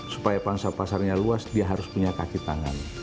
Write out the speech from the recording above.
supaya pangsa pasarnya luas dia harus punya kaki tangan